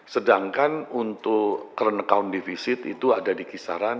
sedangkan untuk current account divisi itu ada di kisaran dua dua